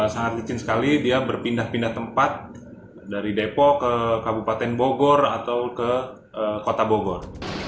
sangat licin sekali dia berpindah pindah tempat dari depok ke kabupaten bogor atau ke kota bogor